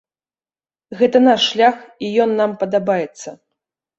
Гэта наш шлях і ён нам падабаецца.